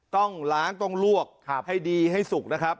ต้องล้างต้องลวกให้ดีให้สุกนะครับ